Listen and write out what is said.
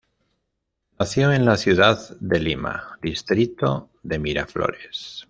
Nació en la ciudad de Lima, distrito de Miraflores.